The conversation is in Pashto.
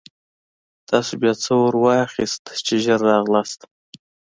تاسې بیا څه اورا واخیستلاست چې ژر راغلاست.